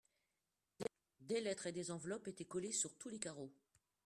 Des lettres et des enveloppes étaient collées sur tous les carreaux.